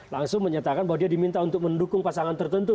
langsung menyatakan bahwa dia diminta untuk mendukung pasangan tertentu